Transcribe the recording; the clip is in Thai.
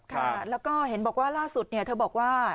ค่ะแล้วก็เห็นบอกว่าล่าสุดเนี่ยเธอบอกว่า